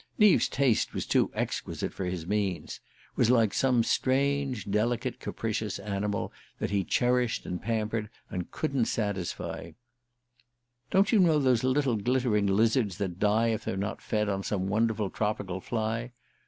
Neave's taste was too exquisite for his means was like some strange, delicate, capricious animal, that he cherished and pampered and couldn't satisfy. "Don't you know those little glittering lizards that die if they're not fed on some wonderful tropical fly?